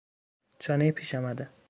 چانهی پیش آمده